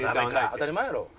当たり前やろ。